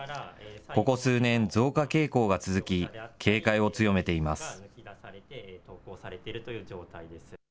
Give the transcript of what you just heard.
ここ数年、増加傾向が続き、警戒を強めています。